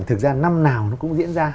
thực ra năm nào nó cũng diễn ra